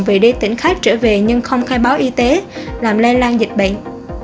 vì đi tỉnh khác trở về nhưng không khai báo y tế làm lây lan dịch bệnh